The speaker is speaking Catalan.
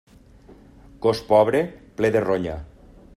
Gos pobre, ple de ronya.